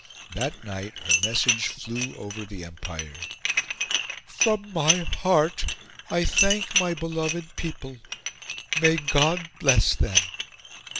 That night her message flew over the Empire: "From my heart I thank my beloved people. May God bless them!"